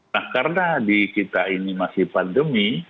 nah karena di kita ini masih pandemi